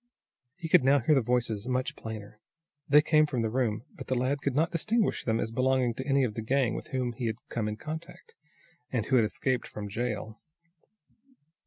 He could now hear the voices much plainer. They came from the room, but the lad could not distinguish them as belonging to any of the gang with whom he had come in contact, and who had escaped from jail.